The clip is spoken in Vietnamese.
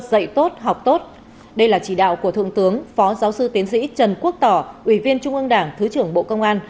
đây là chỉ đạo của thượng tướng phó giáo sư tiến sĩ trần quốc tỏ ủy viên trung ương đảng thứ trưởng bộ công an